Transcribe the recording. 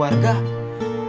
beruntung masih bisa makan